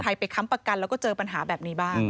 ไปค้ำประกันแล้วก็เจอปัญหาแบบนี้บ้าง